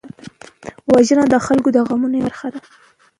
وژنه د خلکو د غمونو یوه برخه ده